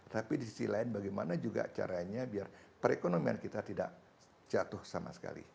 tapi di sisi lain bagaimana juga caranya biar perekonomian kita tidak jatuh sama sekali